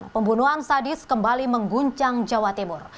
pembunuhan sadis kembali mengguncang jawa timur